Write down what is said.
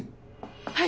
はい。